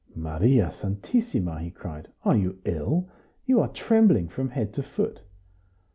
"Maria Santissima!" he cried. "Are you ill? You are trembling from head to foot!"